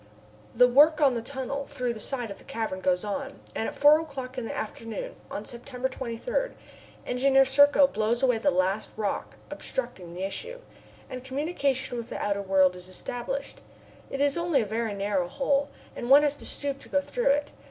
The work on the tunnel through the side of the cavern goes on, and at four o'clock in the afternoon on September 23, Engineer Serko blows away the last rock obstructing the issue, and communication with the outer world is established. It is only a very narrow hole, and one has to stoop to go through it.